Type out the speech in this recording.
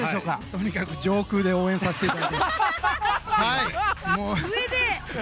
とにかく上空で応援させていただきます。